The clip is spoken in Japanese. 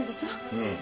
うん。